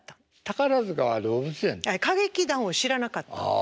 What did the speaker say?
歌劇団を知らなかったんです。